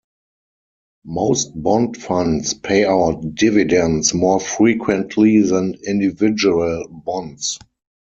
Most bond funds pay out dividends more frequently than individual bonds.